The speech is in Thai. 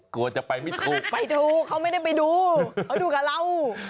กลัวจะไปไม่ถูกไปดูเขาไม่ได้ไปดูเขาดูกับเรา